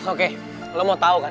oke lo mau tau kan